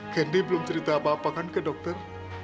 kendi belum cerita apa apa kan ke dokter